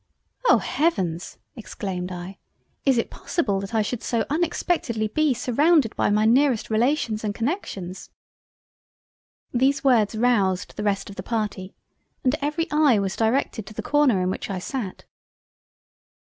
"Oh! Heavens, (exclaimed I) is it possible that I should so unexpectedly be surrounded by my nearest Relations and Connections?" These words roused the rest of the Party, and every eye was directed to the corner in which I sat.